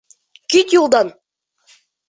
Кит юлдан!